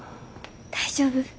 大丈夫？